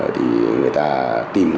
thì người ta tìm cách